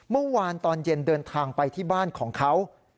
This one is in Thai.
เมื่อวานตอนเย็นเดินทางไปที่บ้านของเขา